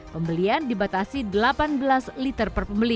pembelian dibatasi delapan belas liter per pembeli